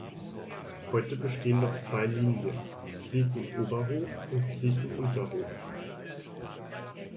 Heute bestehen noch zwei Linien: Kliecken-Oberhof und Kliecken-Unterhof.